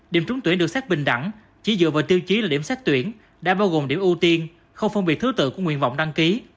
điểm trúng tuyển được xét bình đẳng chỉ dựa vào tiêu chí là điểm xét tuyển đã bao gồm điểm ưu tiên không phân biệt thứ tự của nguyện vọng đăng ký